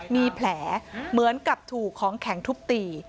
มีแผลเหมือนกับถูกของแข็งทุบตี